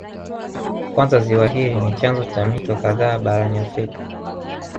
Kwanza ziwa hili ni chanzo cha mito kadhaa barani Afrika